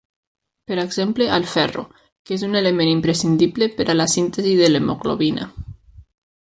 Per exemple, el ferro, que és un element imprescindible per a la síntesi de l'hemoglobina.